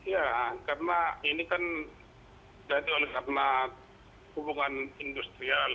ya karena ini kan jadi oleh karena hubungan industrial